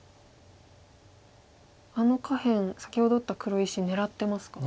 あの下辺先ほど打った黒石狙ってますか？